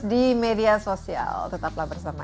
usus di media sosial tetaplah bersama insight